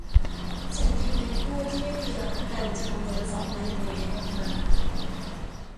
ฉันหยิบเงินกู้ที่ไม่มีหลักประกันจำนวนสองพันเหรียญออกมา